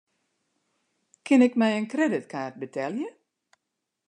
Kin ik mei in kredytkaart betelje?